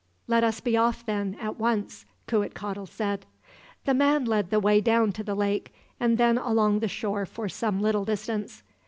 "Let us be off then, at once," Cuitcatl said. The man led the way down to the lake, and then along the shore for some little distance.